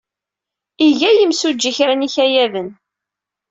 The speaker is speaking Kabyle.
Iga yimsujji kra n yikayaden.